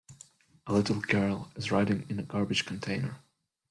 A little girl is riding in a garbage container.